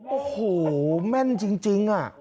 โอ้โหแม่นจริง